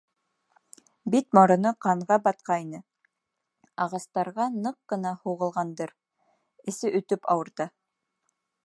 Бит-мороно ҡанға батҡайны, ағастарға ныҡ ҡына һуғылғандыр, эсе өтөп ауырта.